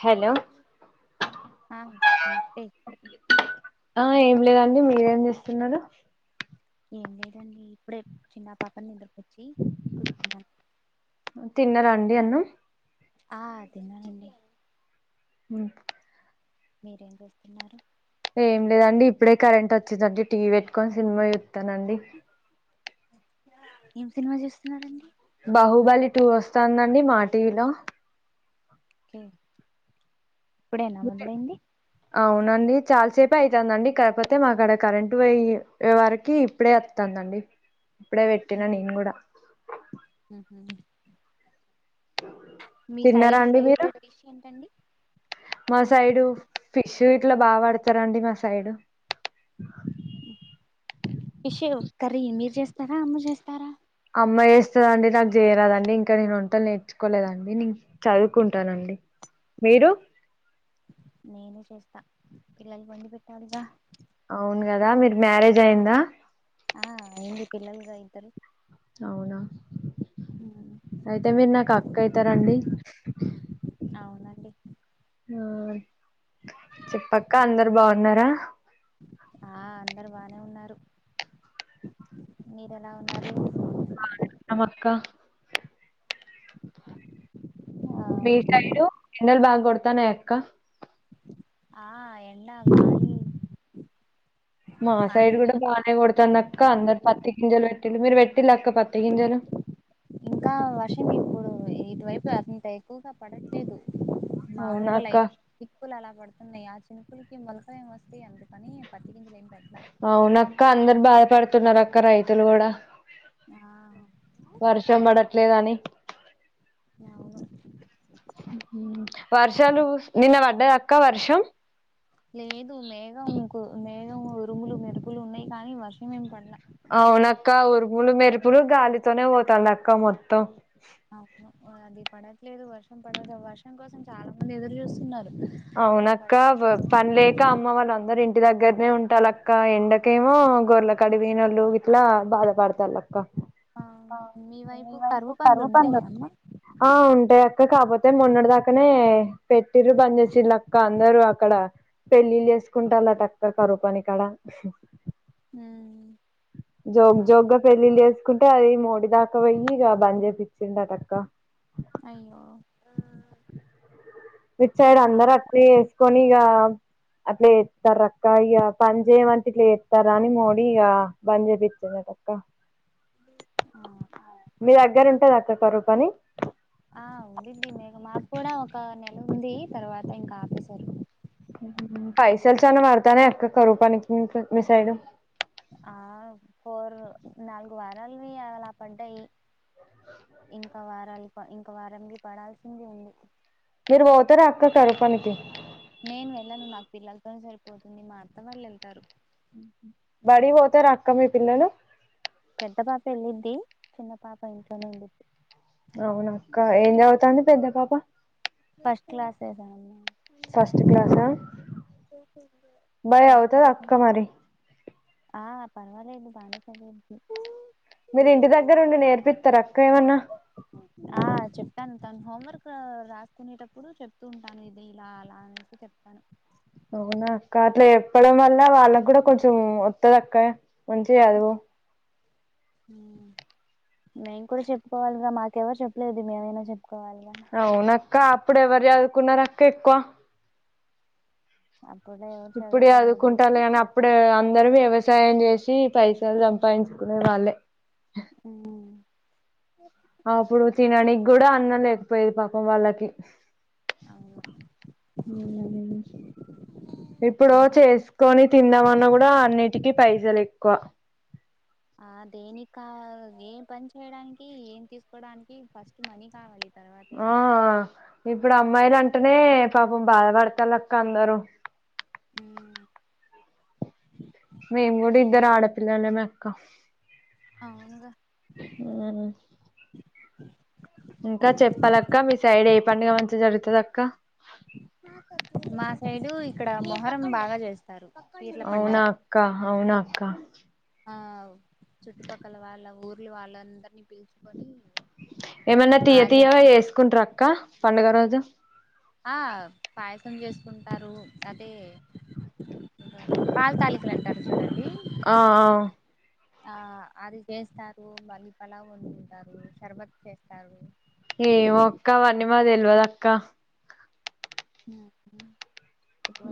Hello ఆ నమస్తే ఆ ఏమి లేదండి మీరేం చేస్తున్నారు ఏం లేదండి ఇప్పుడే చిన్న పాప నిద్రపో చి కూర్చున్నాం ఎన్ ఆ తిన్నానండి ఉ మీరేం చేస్తున్నారు ఏం లేదండి ఇప్పుడే కరెంట్ వచ్చిందండి టీవీ పెట్టుకొని సినిమా చూత్తానండి ఏం సినిమా చూస్తున్నారండి బాహుబలి టూ వస్తాందండి మా టీవిలో ఇప్పుడేనా మొదలైంది అవునండి చాలాసేపె అయితాందండి కాకపోతే మాకడ కరెంట్ పోయి వరకి ఇప్పుడే వత్తాం దండి ఇప్పుడే పెట్టినా నేను కూడా హ మీ తిన్నారా సైడ్ అండి మీరు ఫేవరెట్ డిష్ ఏంటండి మా సైడు ఫిష్ ఇట్లా బాగా పడతారండి మా సైడు ఫిషు కర్రీ మీరు చేస్తారా అమ్మ చేస్తారా అమ్మ చేేస్తది అండి నాకు జేయరాదండి ఇంకా నేను వంటలు నేర్చుకోలేదండి నీను చదువుకుంటానండి మీరు నేను చేస్తా పిల్లలు వండి పెట్టాలిగా అవును గదా మీరు మ్యారేజ్ అయిందా ఆ అయింది పిల్లలుగా ఇద్దరు అవునా ఉమ్, అయితే మీరు నాకు అక్క అయితారండి అవునండి ఆ చెప్పక్క అందరు బాగున్నారా ఆ అందరు బానే ఉన్నారు మీరు ఎలా ఉన్నారు బానే ఉన్నాము అక్క ఆ మీ సైడు ఎండలు బాగా కొడతాన్నాయ అక్క ఆ ఎండ గాలి మా సైడ్ బానే కూడా బానే కొడుతాంది అక్క అందరు పత్తి గింజలు పెట్టిల్లు మీరు పెట్ అక్క పత్తి గింజలు ఇంకా వర్షం ఇప్పుడు ఇటువైపు అంత ఎక్కువగా పడట్లేదు అవునా మాములుగా ల అక్క ఎక్కువలు అలా పడుతున్నాయి ఆ చినుకులకి మొలకలు ఏం వస్తాయి అందుకని పత్తిగింజలు అవున అక్క అందరు బాధపడుతున్నారు అక్క రైతులు కూడా వర్షం పడట్లేద అని అవును వర్షాలు నిన్న పడ్డాద అక్క వర్షం లేదు మేఘం మేఘం ఉరుములు మెరుపులు ఉన్నాయి కానీ వర్షం ఏం పడలా అవునక్క ఉరుములు మెరుపులు గాలితోనే పోతాంది అక్క మొత్తం అ అది పడట్లేదు వర్షం పడ వర్షం కోసం చాలా మంది ఎదురు చూస్తున్నారు ఏం పడ అవునక్క పని లేక అమ్మ వాళ్ళ అందరు ఇంటి దగ్గర ఉంటాల అక్క ఎండకేమో గొర్ల కాడికి పోయినోళ్లు ఇట్లా బాధపడతారు అక్క ఆ మీ వైపు కరువు పండ్లు పరుమ పం ఉంటాయా అమ్మ ఆ ఉంటే ఇ కాపోతే మొన్నడు దాకానే పెట్టిరు బంద్ చేసి చిల్ లక్క అందరు అక్కడ పెళ్ళిళ్ళ చేసుకుంటారు టక్కర్ కరపానిక్కడ హు జోక్ జోక్గా పెళ్ళిళ్ళ చేసుకుంటే అది మోడి దాకావయక బంద చే పచ్చింటటక్క అయ్యో విట్ సైడ్ మా అందరు అట్ వేసుకొని ఇక అట్లా ఇస్తారు అక్క ఇక పని చేయమంటే ఇట్లా వస్తారా అని మోడీ ఇక బంద్ చేయిచ్చింది తక్క ఆ మీ దగ్గర ఉంటంది అక్క కరు కానీ ఆ ఉందండి మకు మాకు కూడా ఒక నెల ఉంది తర్వాత ఇంకా ఆపేశారు పైసలు చన్న వాడతానే అక్క కూపానికి మీ సైడు ఆ పోరు నాలుగు వారాలువి అలా పడ్డాయి ఇంకా వారాలు ఇంకా వారనికి పడాల్సింది ఉంది మీరు పోతారా అక్క కరపానికి నేను వెళ్ళను నాకు పిల్లలతో సరిపోతుంది మా అత్త వాళ్ళు వెళ్తారు బడి పోతరాక్క మీ పిల్లలు పెద్ద పాప వెళ్ళిద్ది చిన్న పాప ఇంట్లోనే ఉళ్ళది అవున అక్క ఏం చవుతాంది పెద్ద పాప ఫస్ట్ క్లాసే ఎ ఫస్ట్ క్లాస్ బయ ఫస్ట్ చవుత క్లాస్ అక్క మారి ఆ పర్వాలేదు బానే చదివిద్ది మీరు ఇంటి దగ్గర ఉండి నేర్పిస్తారు అక్క ఏమన్నా ఆ చెప్తాను తను హోంవర్క్ రా కునేటప్పుడు చెప్తూ ఉంటాను ఇది ఇలా అలా అనేసి చెప్తాను అవునా అక్క అట్లా ఎప్పడం వల్ల వాళ్ళకి కూడా కొంచెం వత్తదక్క మంచి అదు మేము కూడా చెప్పుకోవాలిగా మాకెవరు చెప్పలేదు మేమైనా చెప్ప అవునక్క అప్పుడు ఎవరు చదువుకున్నార్ అక్క ఎక్కువ అప్పుట్లో ఎవరు ఇప్పుడే చదువుకోలేదు అదుకుంటారు కానీ అప్పుడే అందరమ వ్యవస్ వ్యవసాయం చేసి పైసలు సంపాదించుకునే వాళ్ళే ఉ అప్పుడు తినడానికి కూడా అన్నం లేకపోయది పాపం వాళ్ళకి అవును ఇప్పుడు ఓ చేసుకొని తిందామన్నా కూడా అన్నిటికిీ పైసలు ఎక్కువ ఆ దేని కవ ఏం పని చేయడానికి ఏం తీసుకోడానికి ఫస్ట్ మనీ కావాలి తర్వాత ఆ ఏదైనా ఇప్పుడు అమ్మాయిలు అం టనే పాపం బాధ పడతలు అక్క అందరూ ఉ మేము కూడా ఇద్దరు ఆడపిల్లల మే అక్క అవునుగా ఇంకా చెప్పాలక్క మీ సైడ్ ఏ పండుగ మంచిగా జరుగుతది అక్క మా సైడు ఇక్కడ మొహరం బాగా చేస్తారు పీర్ల పండగ అవునా అక్క అవునా అక్క ఆ చుట్టుపక్కల వాళ్ళ ఊర్లు వాళ్ళందరినీ పిలుచుకొని ఏమన్నా తీయ్య బాగా తియ్యగా చేసుకుంట్రక్క పండుగ రోజు ఆ పాయసం చేసుకుంటారు అదే పాల్ తాళికలంటరూ చూడండి ఆ ఆ ఆ అది చేస్తారు మళ్ళీ పలావ్ వండుకుంటారు షర్బత్ చేస్తారు ఏమో అక్క అవన్నీ మాక్ తెల్వద్ అక్క ఉహు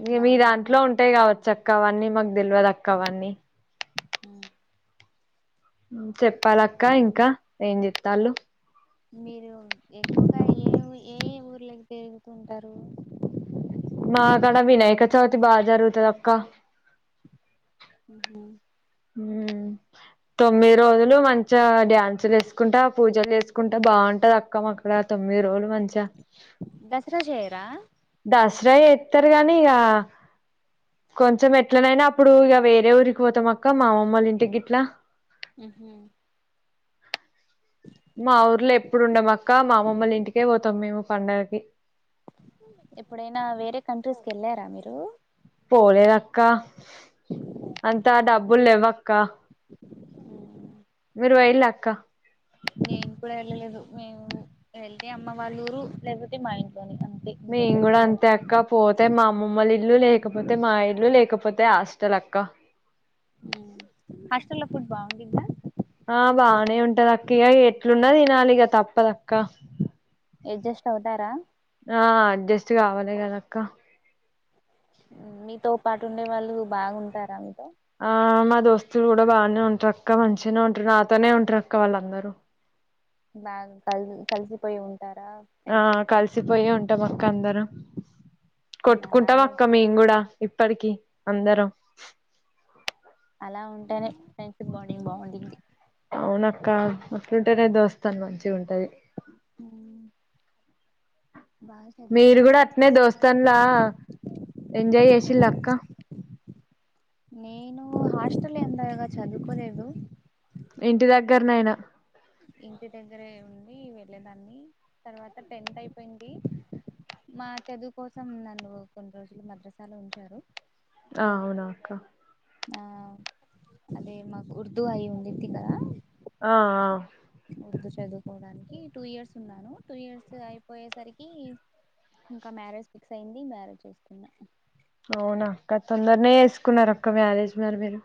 ఇగా మీ దాంట్లో ఉంటాయి కావచ్చు అక్క అవన్నీ మాకు దెల్వదక్క అవన్నీ ఆ చెప్పాలక్క ఇంకా ఏం జెత్తళ్లు మీరు ఎక్కువగా ఏ ఏ ఊర్లకి దేవుకుంటరు మాకడ వినాయక చవితి బాగా జరుగుతదక్క ఊహూ తొమ్మిది రోజులు మంచిగా డ్యాన్సులు ఎసుకుంటా పూజలు చేేసుకుంటా బాగుంటది అక్క మాకడ తొమ్మిది రోజులు మంచిగా దసరా చేయరా దసరా చేత్తరు గనీ ఇగా కొంచెం ఎట్లనైనా అప్పుడు ఇగ వేరే ఊరికి పోతాం అక్క మామ్మమ్మళ్ల ఇంటికి గిట్లా ఉహు మా ఊర్ల ఎప్పుడుండం అక్క మామ్మమ్మళ్ల ఇంటికే పోతాం మేము పండగకి ఎప్పుడైనా వేరే కంట్రీస్ కి ఎళ్ళారా మీరు పోలేద అక్క అంతా డబ్బుల్ లేవ్వక్క మీర్ పోయిల్లా అక్క నేను కూడా వెళ్ళలేదు మేము వెళ్తే అమ్మ వాళ్ళ ఊరు లేకపోతే మా ఇం మేం గుడా అంతే అక్క పోతే మామ్మమ్మలి ఇల్లు లేకపోతే మా ఇల్లు లేకపోతే అష్ తనక్క ఉమ్ హస్టాల్లా ఫుడ్ బాగుండిద్దా ఆ బాగానే ఉంటది అక్క ఇగ ఎట్లున్న తినాలిగ తప్పదక్క ఎడ్జస్ట్ అవుతారా ఆ అడ్జస్ట్ కావాలి కదక్క ఉమ్ మీతో పాటు ఉండే వాళ్ళు బాగుంటారా ఆ మ దోస్తులు గుడా బాగానే ఉంట్రక్క మంచిగానే ఉంట్రూ నాతోనే ఉంట్రక్క వాళ్ళందరూ బ్యాగ కలిసి కలిసిపోయి ఉం ఆ కలిసిపోయ్యే ఉంటాం అక్క అందరం కొట్టుకుంటాం అలాగే అక్క మేం గుడా ఇప్పడికి అందరం అలా ఉంటేనే ఫ్రెండ్షిప్ బాండింగ్ బాగుండిద్ది క్క అట్లుంటేనే దోస్తాను మంచి ఉమ్ మీరు గుడా అట్నే దోస్తన్లా ఎంజాయ్ చేసిళ్ల అక్క నేను హాస్టల్ ఎందగా చదువుకోలేదు ఇంటి దగ్గర్నైనా ఇంటి దగ్గరే ఉండి వెళ్ళేదాన్ని తర్వాత టెన్త్ అయిపోయింది మా చదువు కోసం నన్ను కొన్ని రోజులు మద్రసాలో ఉంచారు. ఆ అవునాక్క ఆ అదే మాకు ఉర్దూ అయి ఉండేంది కదా ఆ ఆ ఉర్దూ చదువుకోవడానికి టూ ఇయర్స్ ఉన్నాను టూ ఇయర్స్ అయిపోయేసరికి ఇంకా మ్యారేజ్ ఫిక్స్ అయింది మ్యారేజ్ చూస్తున్నా అవునా అక్క తొందరనే వేసుకున్నారు అక్క వేల వేసుకున్నారు మీరు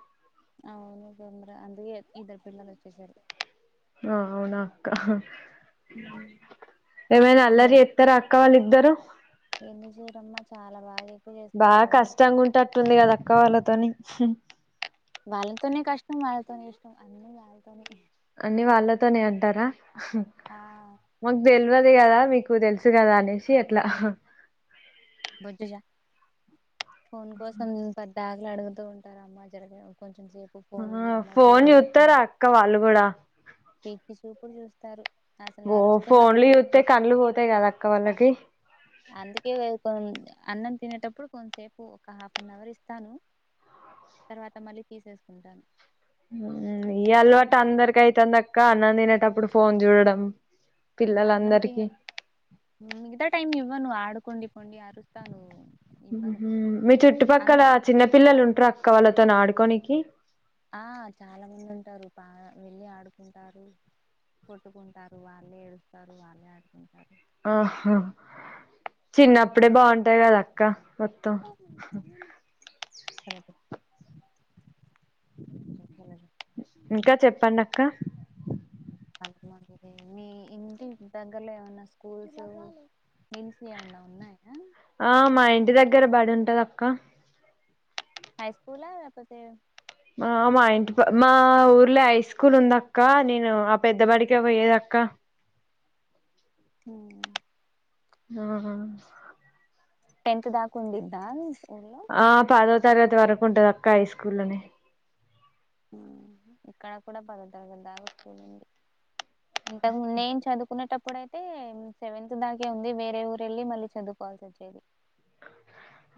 అవును తొందర అందుగే ఇద్దరు పిల్లలు వచ్చేసారు. ఆ అవునా అక్క ఏమే య అల్లరి ఎత్తర అక్క వాళి ద్దరు ఎందుకు చేయరమ్మా చాలా బాగే బాగా కష్టంగా ఉంటట్టుంది కదాక్క వాళ్ళతోని వాళ్ళతోనే కష్టం వాళ్ళతోనే ఇష్టం అన్నీ వాళ్ళతోనే అన్ని వాళ్ళతోనే అంటారా ఆ మాకు తెలియదు కదా మీకు తెలుసు త్తే కదా అనేసి ఎట్లా బొజ్జుజ ఫోన్ కోసం ప బ్యాగులు అడుగుతూ ఉంటారు అమ్మా జగ కొంచెం కొసేపు ఫోన్ ఆ అమ్మ ఫ ఫోన్ ఫోన్ చూస్తారా అక్క వాళ్ళు కూడా పిచ్చి చూపుడు చూస్తారు. అసలు ఓ అరుస్తున్నా ఫోన్లు చూత్తే పట్టించుకోరు కళ్లు పోతాయి కదా అక్క వాల్ళకి అందుకే వెళ్ళిపోయింది అన్నం తినేటప్పుడు కొంతసేపు ఒక హాఫ్ అన్ అవర్ ఇస్తాను. తర్వాత మళ్ళీ తీసేసుకుంటాను ఈ అలవాటు అందరికి అయితుంది అక్క అన్నం తినేటప్పుడు ఫోన్ చూడడం. అన్నంతిని పిల్లలందరికి మిగతా టైమ్ ఇవ్వను ఆడుకోండి పోండి అరుస్తా నువ్వు మ్ మీ చుట్టుపక్కల చిన్న పిల్లలు ఉంటారు అక్క వాళ్ళతో ఆడుకోనికి ఆ చాలా మంది ఉంటారు బాగా వెళ్ళి ఆడుకుంటారు. కొట్టుకుంటారు వాళ్ళే ఏడుస్తారు వాళ్ళే ఆడుకుంటారు. ఆహా చిన్న అప్పుడే బావుంటాయి కదా అక్క మొత్తం చెప్ ఇంకా చెప్పండి అక్క అంతమాటు మీ ఇంటి దగ్గరలో ఏమన్నా స్కూల్స్ మెల్స్ ఏమన్నా ఉన్నాయా? ఆ మా ఇంటి దగ్గర బడి ఉంటది అక్క హై స్కూలా అపోతే ఆ మా ఇంటి ప మా ఊర్లే హై స్కూల్ ఉంద అక్క నేను ఆ పెద్ద బడికి పోయేద అ క్క అవునా ఆహ టెన్త్ దాకుండిద్దా ఆ పదో తరగతి వరకు ఉంటది అక్క హై స్కూల్ని ఇక్కడ కూడా పద తరగతి దాకా స్కూల్ ఉంది. ఇంతకు ముందేం చదువుకునేటప్పుడు ఇప్పుడైతే సెవెంత్ దాకే ఉంది వేరే ఊరు వెళ్ళి మళ్ళీ చదువుకోవాల్సి వచ్చేది.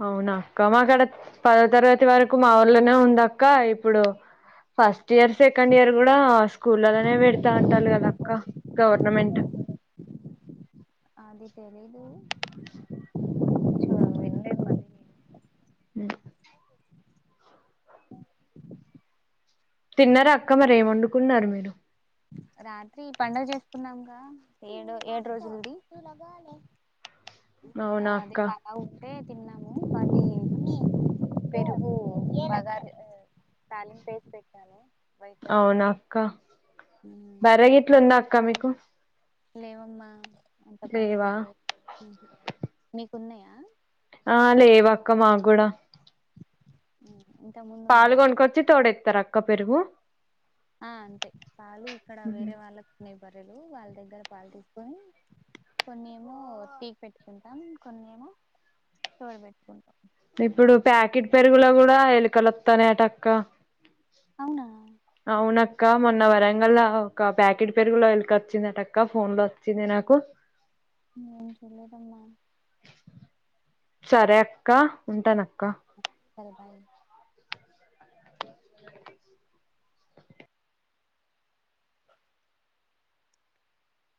అవున అక్క మాక్కడ పదో తరగతి వరకు మా ఊర్లోనే ఉంద అక్క ఇప్పుడు ఫస్ట్ ఇయర్ సెకండ్ ఇయర్ కూడా స్కూల్లలోనే పెడతా అంటారు కదా అక్క గవర్నమెంట్ అది తెలీదు చ విన్లేదు మరి అ తిన్నార అక్క మరి ఏం వండుకున్నారు మీరు తిన్నాంక ఏడు ఏడు రోజులది అవునా అది అక్క పైన ఉంటే తిన్నాము కానీ పెరుగు బగార తాలీంపేసి పెట్నాను అవునా అక్క బర్రె గిట్లు ఉందా అక్క మీకు లేవమ్మా అంత పని లేవా నుంచే మీకున్నాయా ఆ లేవక్క మాగ్గూడ ఉ పాలు కొనుక్కొచ్చి తోడెత్తారు అక్క పెరుగు ఆ అంతే పాలు ఇక్కడ వేరే వాళ్ళ బర్రెలు వాళ్ళ దగ్గర పాలు తీసుకొని కొన్ని ఏమో టీ పెట్టుకుంటాం కొన్ని ఏమో తోడ్ పెట్టుకుంటాం ఇప్పుడు ప్యాకెట్ పెరుగులో కూడా ఎలుకలు వత్తనాయటక్క అవునా అవునక్క మొన్న వరంగల్లా ఒక ప్యాకెట్ పెరుగులో ఎలికి వచ్చిందటక్క ఫోన్లో వచ్చింది కు ఏ తెలీదమ్మా సరే అక్క ఉంటాన అక్క సరే బాయ్